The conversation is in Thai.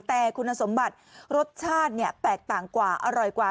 แต่คุณสมบัติรสชาติเนี่ยแตกต่างกว่าอร่อยกว่า